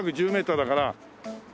４１０メーターだから。